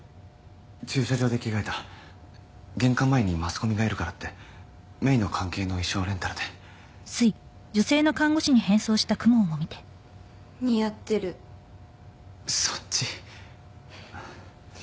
駐車場で着替えた玄関前にマスコミがいるからって芽衣の関係の衣装レンタルで似合ってるそっち？